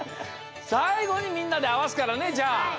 さいごにみんなであわすからねじゃあ。